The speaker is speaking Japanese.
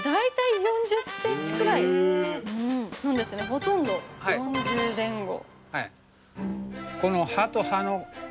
ほとんど４０前後。